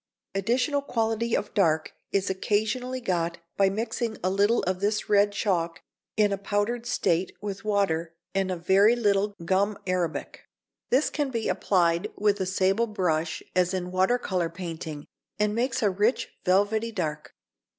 Additional quality of dark is occasionally got by mixing a little of this red chalk in a powdered state with water and a very little gum arabic. This can be applied with a sable brush as in water colour painting, and makes a rich velvety dark.